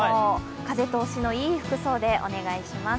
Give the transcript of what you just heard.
風通しのいい服装でお願いします。